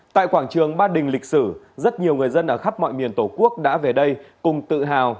tại quảng trường ba đình lịch sử rất nhiều người dân ở khắp mọi miền tổ quốc đã về đây cùng tự hào